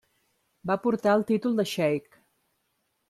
Va portar el títol de xeic.